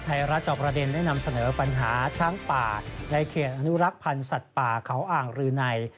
จอบประเด็นได้นำเสนอปัญหาช้างป่าในเขตอนุรักษ์พันธ์สัตว์ป่าเขาอ่างรืนัย